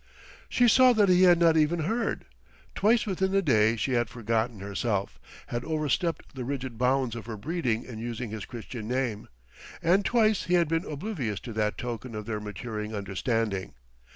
She saw that he had not even heard. Twice within the day she had forgotten herself, had overstepped the rigid bounds of her breeding in using his Christian name. And twice he had been oblivious to that token of their maturing understanding.